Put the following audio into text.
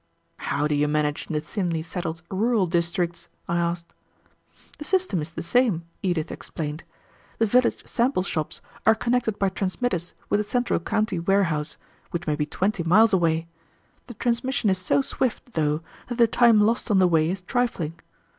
"How do you manage in the thinly settled rural districts?" I asked. "The system is the same," Edith explained; "the village sample shops are connected by transmitters with the central county warehouse, which may be twenty miles away. The transmission is so swift, though, that the time lost on the way is trifling.